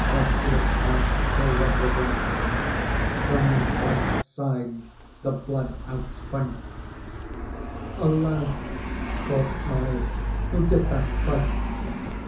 Right to His heart full red was rent, JFrom His white side the blood outnsprent ;" Alas !" thought I, '' who did that spite